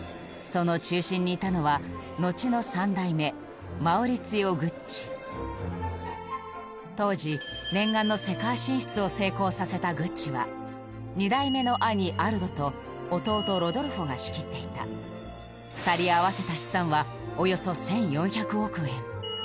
その中心にいたのは後の３代目マウリツィオ・グッチ当時念願の世界進出を成功させたグッチは２代目の兄アルドと弟ロドルフォが仕切っていた２人合わせた資産はおよそ１４００億円